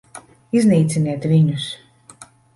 Iznīciniet viņus!